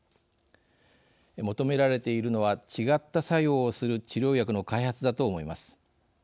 求められているのは違った作用をする治療薬の開発だと思います。